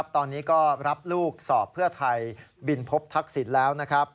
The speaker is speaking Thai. ตอนนี้ก็รับลูกสอบเพื่อไทยบินพบทักษิณแล้ว